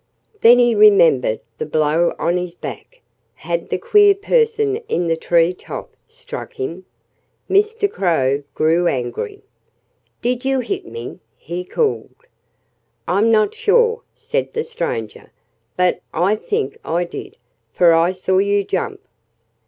Then he remembered the blow on his back. Had the queer person in the tree top struck him?... Mr. Crow grew angry. "Did you hit me?" he called. "I'm not sure," said the stranger. "But I think I did, for I saw you jump."